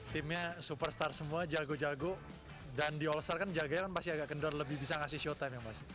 timnya superstar semua jago jago dan di all star kan jaganya kan pasti agak kendor lebih bisa ngasih showtime yang pasti